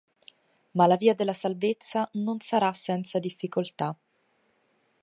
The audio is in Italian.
Ma la via della salvezza non sarà senza difficoltà.